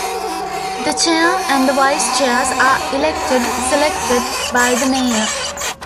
The chair and vice-chairs are elected selected by the mayor.